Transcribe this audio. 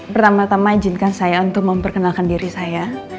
pertama tama izinkan saya untuk memperkenalkan diri saya